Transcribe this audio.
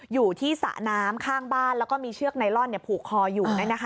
สระน้ำข้างบ้านแล้วก็มีเชือกไนลอนผูกคออยู่